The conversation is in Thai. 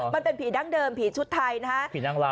มันเป็นผีดั้งเดิมผีชุดไทยนะฮะ